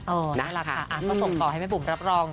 เออน่ารักค่ะก็ส่งต่อให้แม่บุ๋มรับรอง